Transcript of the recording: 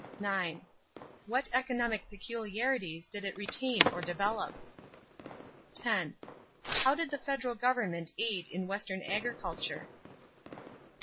9. What economic peculiarities did it retain or develop? 10. How did the federal government aid in western agriculture?